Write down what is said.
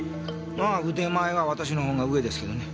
腕前は私のほうが上ですけどね。